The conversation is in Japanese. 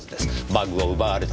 バッグを奪われた女性。